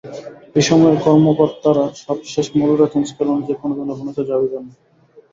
এ সময় কর্মকর্তারা সবশেষ মূল বেতন স্কেল অনুযায়ী প্রণোদনা বোনাসের দাবি জানান।